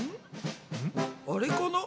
あれかな？